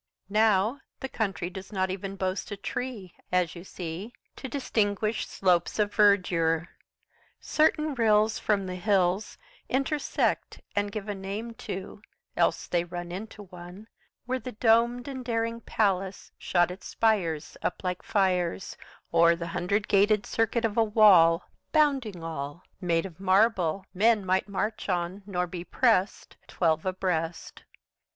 Now the country does not even boast a tree, As you see, To distinguish slopes of verdure; certain rills 15 From the hills Intersect and give a name to (else they run Into one) Where the domed and daring palace shot its spires Up like fires 20 O'er the hundred gated circuit of a wall Bounding all, Made of marble, men might march on nor be pressed, Twelve abreast.